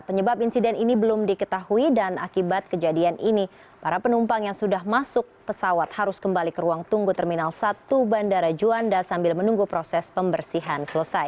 penyebab insiden ini belum diketahui dan akibat kejadian ini para penumpang yang sudah masuk pesawat harus kembali ke ruang tunggu terminal satu bandara juanda sambil menunggu proses pembersihan selesai